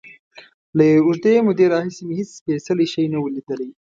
له یوې اوږدې مودې راهیسې مې هېڅ سپېڅلی شی نه و لیدلی.